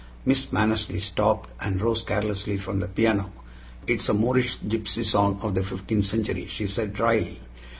Miss Mannersley stopped, and rose carelessly from the piano. "It is a Moorish gypsy song of the fifteenth century," she said dryly.